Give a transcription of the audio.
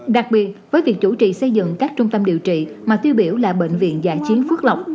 đặc biệt với việc chủ trì xây dựng các trung tâm điều trị mà tiêu biểu là bệnh viện dạ chiến phước lọc